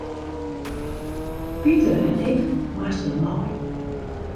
Piter en ik moasten mei.